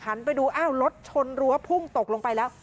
ไปดูอ้าวรถชนรั้วพุ่งตกลงไปแล้ว